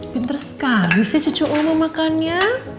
pinter sekali sih cucu omba makannya